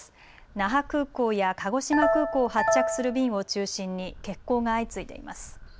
那覇空港や鹿児島空港を発着する便を中心に欠航が相次いでいます。